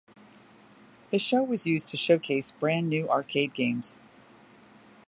The show was used to showcase brand new arcade games.